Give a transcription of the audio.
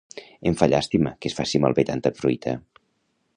Em fa llàstima que es faci malbé tanta fruita